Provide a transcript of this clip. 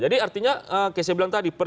jadi artinya kayak saya bilang tadi